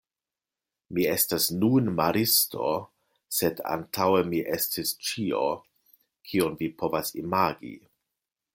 Mi estas nun maristo, sed antaŭe mi estis ĉio, kion vi povas imagi.